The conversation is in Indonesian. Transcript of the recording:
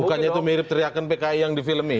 bukannya itu mirip teriakan pki yang di film nih